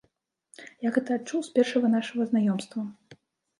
Я гэта адчуў з першага нашага знаёмства.